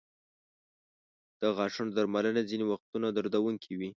د غاښونو درملنه ځینې وختونه دردونکې وي.